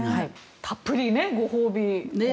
たっぷりご褒美をね。